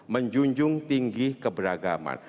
menjunjung tinggi keberagaman